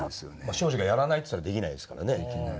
昭次がやらないって言ったらできないですからね。